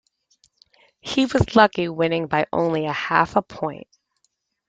He was lucky, winning by only half a point.